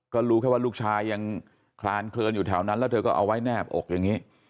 ก็รู้แค่ว่าลูกชายยังคลานเคลินอยู่แถวนั้นแล้วเธอก็เอาไว้แนบอกอย่างนี้